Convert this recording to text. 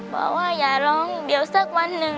บอกว่าอย่าร้องเดี๋ยวสักวันหนึ่ง